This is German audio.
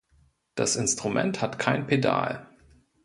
Das Instrument hat kein Pedal.